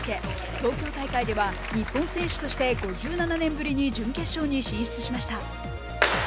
東京大会では日本選手として５７年ぶりに準決勝に進出しました。